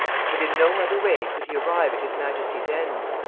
But in no other way could he arrive at his Majesty's ends.